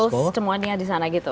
akhirnya kepul semua nya di sana gitu